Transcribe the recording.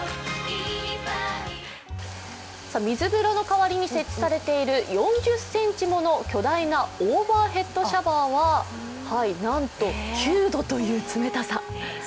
水風呂の代わりに設置されている４０ｃｍもの巨大なオーバーヘッドシャワーはなんと、９度という冷たさ。